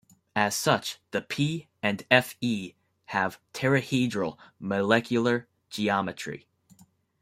As such the P and Fe have tetrahedral molecular geometry.